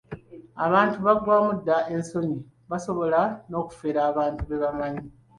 Abantu baggwaamu dda ensonyi, basobola n'okufera abantu be bamanyi.